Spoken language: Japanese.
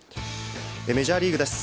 メジャーリーグです。